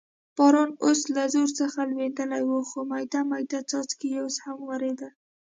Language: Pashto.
باران اوس له زور څخه لوېدلی و، خو مېده مېده څاڅکي اوس هم ورېدل.